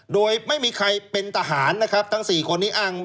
โดยไม่มีใครเป็นทหารนะครับทั้ง๔คนนี้อ้าง